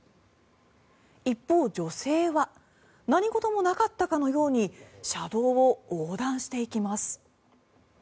一方、女性は何事もなかったかのように車道を横断していきます。